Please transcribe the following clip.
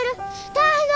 大変だ！